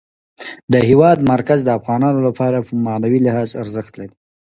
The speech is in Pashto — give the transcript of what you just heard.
د هېواد مرکز د افغانانو لپاره په معنوي لحاظ ارزښت لري.